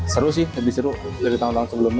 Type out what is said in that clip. seru sih lebih seru dari tahun tahun sebelumnya